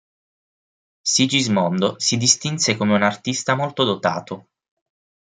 Sigismondo si distinse come un artista molto dotato.